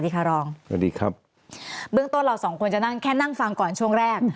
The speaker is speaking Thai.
ก็ดีครับมึงต้องเหล่า๒คนจะนั่งแค่นั่งฟังก่อนช่วงแรก